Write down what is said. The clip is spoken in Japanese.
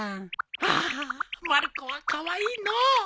ああまる子はカワイイのう。